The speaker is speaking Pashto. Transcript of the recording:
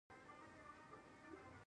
د افغانستان طبیعت له پکتیا څخه جوړ شوی دی.